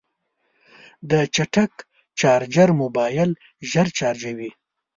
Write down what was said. د چټک چارجر موبایل ژر چارجوي.